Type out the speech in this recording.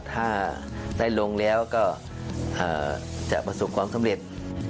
ถ้าได้ลงแล้วก็จะประสบความสำเร็จ